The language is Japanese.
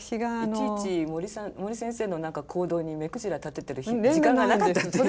いちいち森先生の何か行動に目くじら立ててる時間がなかったっていう。